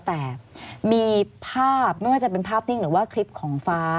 แต่มีภาพไม่ว่าจะเป็นภาพนิ่งหรือว่าคลิปของฟ้า